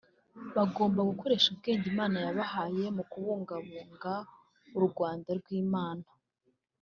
bagomba gukoresha ubwenge Imana yabahaye mu kubungabunga u Rwanda rw’ Imana